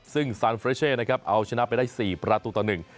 ซึ่งซานเฟรเช่นะครับเอาชนะไปได้สี่ประตูต่อหนึ่ง